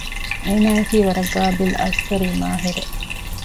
އޭނާއަކީ ވަރަށް ޤާބިލު އަސްކަރީ މާހިރެއް